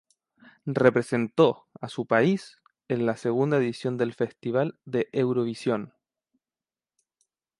Representó a su país en la segunda edición del Festival de Eurovisión.